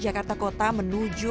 meraih dari kota tua